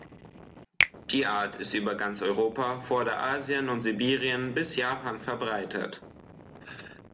Die Art ist über ganz Europa, Vorderasien und Sibirien bis Japan verbreitet.